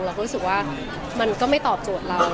เราก็รู้สึกว่ามันก็ไม่ตอบโจทย์เรา